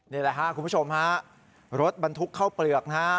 นี่แหละครับคุณผู้ชมฮะรถบรรทุกเข้าเปลือกนะฮะ